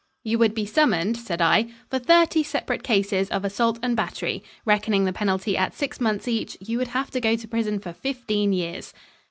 "You would be summoned," said I, "for thirty separate cases of assault and battery. Reckoning the penalty at six months each, you would have to go to prison for fifteen years."